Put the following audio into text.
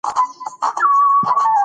عصري افغان اوسئ.